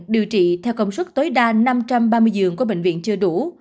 điều trị theo công suất tối đa năm trăm ba mươi giường của bệnh viện chưa đủ